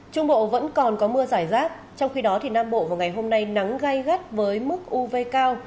trung bộ vẫn còn có mưa giải rác trong khi đó nam bộ vào ngày hôm nay nắng gây gắt với mức uv cao